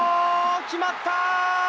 決まったー！